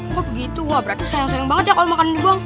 kok begitu wah berarti sayang sayang banget ya kalo makanan ini buang